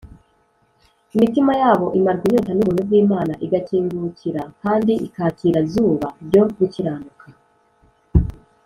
. Imitima yabo imarwa inyota n’ubuntu bw’Imana, igakingukira kandi ikakira Zuba ryo Gukiranuka